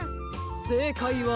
せいかいは。